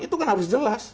itu kan harus jelas